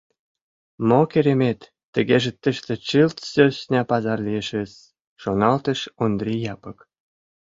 «Мо керемет, тыгеже тыште чылт сӧсна пазар лиешыс, — шоналтыш Ондри Япык.